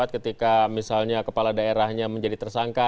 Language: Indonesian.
ketika misalnya kepala daerahnya menjadi tersangka